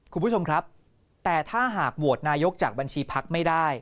คุณผู้ชมครับแต่ถ้าหากโหวตนายกจากบัญชีพักไม่ได้